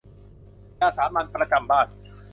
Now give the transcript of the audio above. ยาสามัญประจำบ้าน